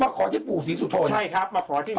พ่อขอที่ปู่ศรีสุทธวพรรณะเองใช่ครับมาขอที่นี่